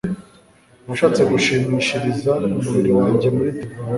nashatse gushimishiriza umubiri wanjye muri divayi